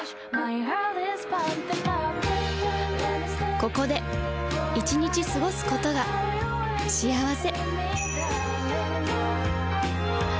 ここで１日過ごすことが幸せ